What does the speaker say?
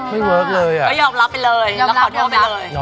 ไม่เวิร์คเลยอ่ะ